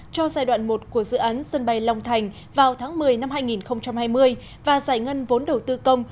cho giai đoạn một của dự án sân bay long thành vào tháng một mươi năm hai nghìn hai mươi và giải ngân vốn đầu tư công